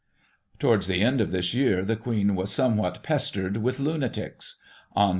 ^ Towards the end of this year, the Queen was somewhat pestered with Itmatics. On Nov.